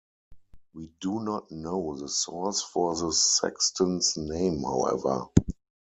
We do not know the source for the "Sexton's" name, however.